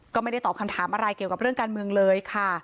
ก็ไม่ได้ตอบคำถามอะไรเกี่ยวกับเรื่องการเมืองเลยค่ะ